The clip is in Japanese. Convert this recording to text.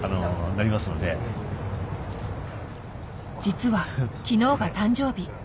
実は昨日が誕生日。